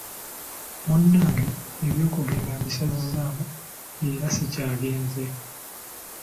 Munnange eby'okugenda mbisazizzaamu era sikyagenze.